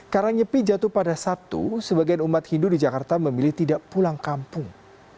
karena nyepi jatuh pada sabtu sebagian umat hindu di jakarta memilih tidak pulang kampung